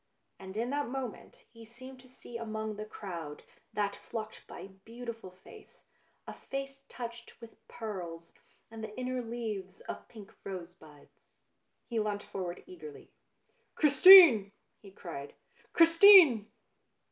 And in that moment he seemed to see among the crowd that flocked by a beautiful face, a face touched with pearls, and the inner leaves of pink rosebuds. He leant forward eagerly. " Chris tine !" he cried, " Christine